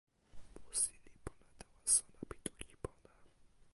musi li pona tawa sona pi toki pona.